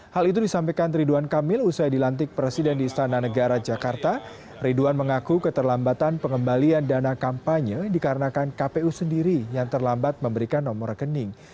hal itu disampaikan ridwan kamil usai dilantik presiden di istana negara jakarta ridwan mengaku keterlambatan pengembalian dana kampanye dikarenakan kpu sendiri yang terlambat memberikan nomor rekening